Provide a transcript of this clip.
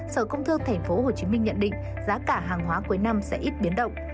sở công thương tp hcm nhận định giá cả hàng hóa cuối năm sẽ ít biến động